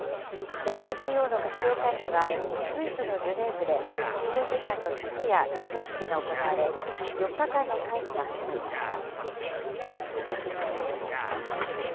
ＷＴＯの閣僚会議は、スイスのジュネーブで日本時間の昨夜、開会式が行われ、４日間の会議が始まりました。